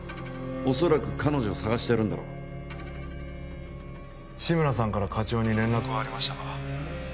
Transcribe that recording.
おそらく彼女を捜してるんだろ志村さんから課長に連絡はありましたか？